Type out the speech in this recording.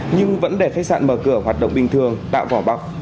nhưng vẫn để khách sạn mở cửa hoạt động bình thường tạo vỏ bọc